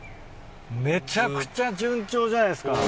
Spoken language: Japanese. めちゃくちゃ順調じゃないですか。